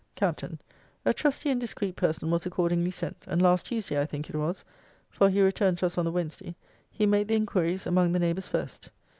Capt. 'A trusty and discreet person was accordingly sent; and last Tuesday, I think it was, (for he returned to us on the Wednesday,) he made the inquiries among the neighbours first.'